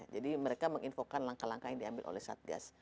jadi mereka menginfokan langkah langkah yang diambil oleh satgas